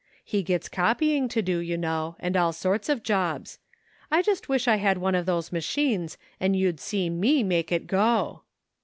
He gets copying to do, you know, and all sorts of jobs. I just wish I had one of those machines, and you'd see me make it go!"